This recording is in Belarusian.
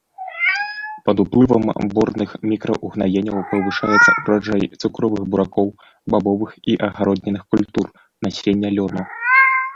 Пад уплывам борных мікраўгнаенняў павышаецца ўраджай цукровых буракоў, бабовых і агароднінных культур, насення лёну.